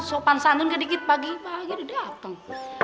sopan sandun ke dikit pagi pagi udah dateng